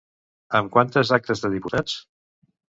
Amb quantes actes de diputats?